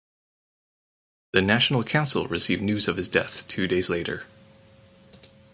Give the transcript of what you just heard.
The National Council received news of his death two days later.